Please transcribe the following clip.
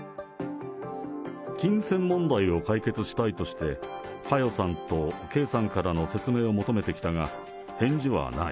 金銭問題を解決したいとして、佳代さんと圭さんからの説明を求めてきたが、返事はない。